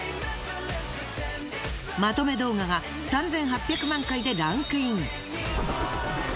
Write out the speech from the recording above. まとめ動画が３，８００万回でランクイン。